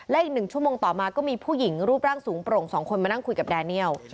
และอีก๑ชั่วโมงต่อมาก็มีผู้หญิงรูปร่างสูงโปร่ง๒คนมานั่งคุยกับแดเนียล